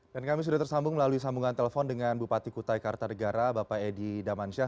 dan kami sudah tersambung melalui sambungan telepon dengan bupati kutai kartanegara bapak edy damansyah